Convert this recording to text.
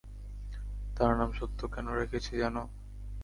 তার নাম সত্য কেন রেখেছি জানো?